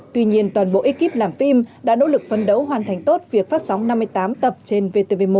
tuy nhiên toàn bộ ekip làm phim đã nỗ lực phân đấu hoàn thành tốt việc phát sóng năm mươi tám tập trên vtv một